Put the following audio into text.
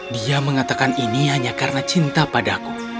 dia mengatakan ini hanya karena cinta padaku